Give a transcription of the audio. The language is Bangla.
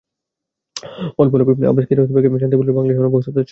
অল্প আলাপেই আব্বাস কিয়ারোস্তামিকে জানাতে ভুলিনি, বাংলাদেশে অনেক ভক্ত তাঁর ছবির।